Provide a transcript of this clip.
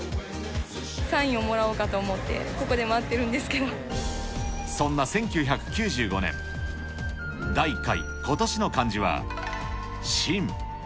サインをもらおうかと思って、そんな１９９５年、第１回今年の漢字は、震。